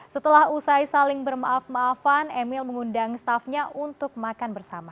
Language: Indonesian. setelah usai saling bermaaf maafan emil mengundang staffnya untuk makan bersama